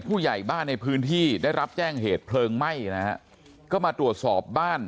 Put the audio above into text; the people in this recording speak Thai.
ผู้ใหญ่บ้านในพื้นที่ได้รับแจ้งเหตุเพลิงไหม้นะฮะก็มาตรวจสอบบ้าน